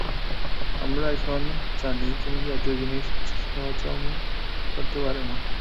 আমরা এখন জানি কোন জাতীয় জিনিস সে হজম করতে পারে না।